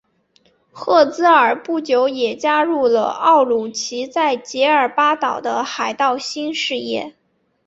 赫兹尔不久也加入了奥鲁奇在杰尔巴岛的海盗新事业。